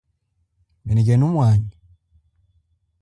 Menekenu mwanyi.